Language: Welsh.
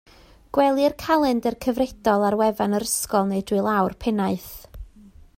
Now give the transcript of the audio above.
Gwelir calendr cyfredol ar wefan yr ysgol neu drwy law'r pennaeth